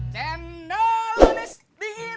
cendol manis dingin